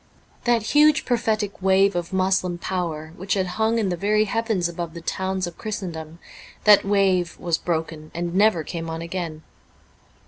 That huge prophetic wave of Moslem power which had hung in the very heavens above the towns of Christendom : that wave was broken, and never came on again.